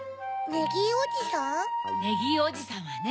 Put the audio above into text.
ネギーおじさんはね